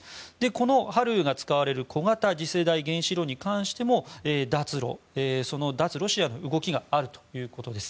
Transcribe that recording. このＨＡＬＥＵが使われる小型次世代原子炉に関しても脱ロシアの動きがあるということです。